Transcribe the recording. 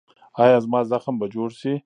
ایا زما زخم به جوړ شي؟